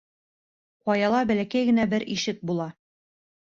Ҡаяла бәләкәй генә бер ишек була.